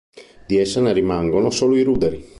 Di essa ne rimangono solo i ruderi.